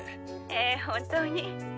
「ええ本当に」